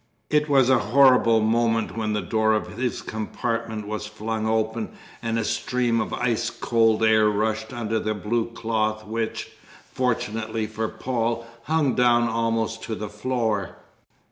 It was a horrible moment when the door of his compartment was flung open and a stream of ice cold air rushed under the blue cloth which, fortunately for Paul, hung down almost to the floor.